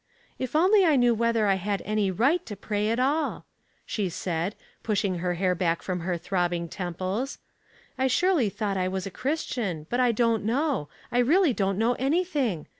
" If only T knew whether I had any right to pray at all," she said, pushing the hair back from her throbbing temples. '' I surely thought I was a Christian; but I don't know, I really don't know anything.